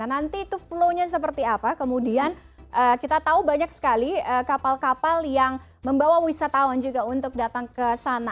nanti itu flow nya seperti apa kemudian kita tahu banyak sekali kapal kapal yang membawa wisatawan juga untuk datang ke sana